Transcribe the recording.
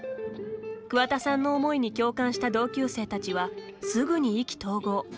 桑田さんの思いに共感した同級生たちは、すぐに意気投合。